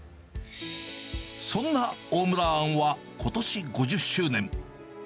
そんな大村庵はことし５０周年。